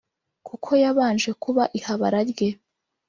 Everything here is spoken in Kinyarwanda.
kuko yabanje kuba ihabara rye